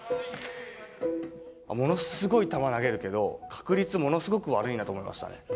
ものすごい球投げるけど、確率ものすごく悪いなと思いましたね。